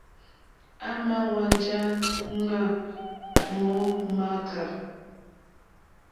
À mà hwánjá ŋmá mó mááká.